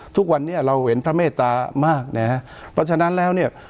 ทุกวันนี้เราเห็นพระเมตตามากนะฮะเพราะฉะนั้นแล้วเนี่ย